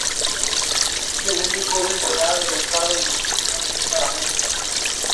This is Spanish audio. En otros países, las definiciones pueden variar.